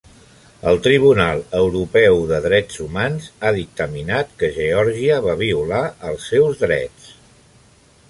El Tribunal Europeu de Drets Humans ha dictaminat que Geòrgia va violar els seus drets.